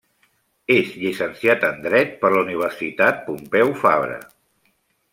És llicenciat en dret per la Universitat Pompeu Fabra.